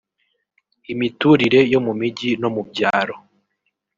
imitutire yo mu mijyi no mu byaro